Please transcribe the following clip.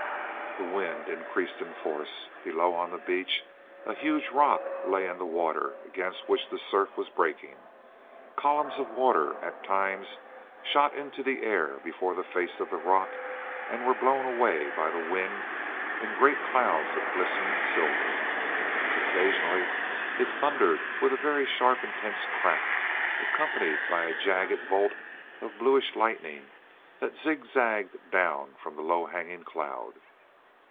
The wind increased in force. Below, on the beach, a huge rock lay in the water, against which the surf was breaking. Columns of water at times shot into the air before the face of the rock, and were blown away by the wind in great clouds of glistening silver. Occasionally it thundered with a very sharp intense crack accompanied by a jagged bolt of bluish lightning that zigzagged down from the low hanging cloud.